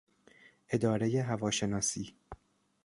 ادارهی هواشناسی